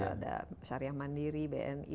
ada syariah mandiri bni